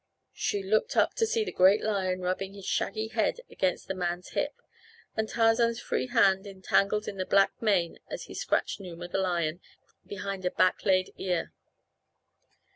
She looked up to see the great lion rubbing his shaggy head against the man's hip, and Tarzan's free hand entangled in the black mane as he scratched Numa, the lion, behind a back laid ear.